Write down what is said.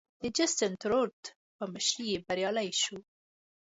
د جسټین ترودو په مشرۍ بریالی شو.